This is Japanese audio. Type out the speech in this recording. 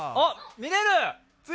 見れる！